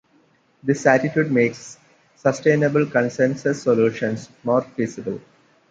This attitude makes sustainable consensus solutions more feasible.